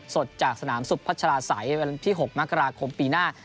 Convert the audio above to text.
สดจากสนามสุพัชลาศัยวันที่๖มกราคมปีหน้า